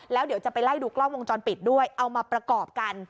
แล้วเดี๋ยวจะไปไล่ดูกล้องวงจรปิดด้วยเอามาประกอบกัน